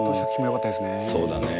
そうだね。